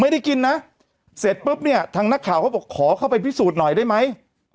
ไม่ได้กินนะเสร็จปุ๊บเนี่ยทางนักข่าวเขาบอกขอเข้าไปพิสูจน์หน่อยได้ไหม